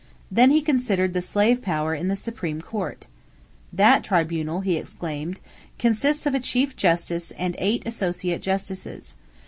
Then he considered the slave power in the Supreme Court. "That tribunal," he exclaimed, "consists of a chief justice and eight associate justices.